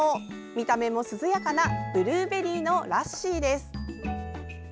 見た目も涼やかなブルーベリーのラッシーです。